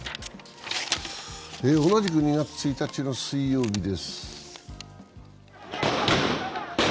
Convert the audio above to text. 同じく２月１日水曜日です。